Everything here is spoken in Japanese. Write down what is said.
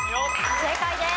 正解です。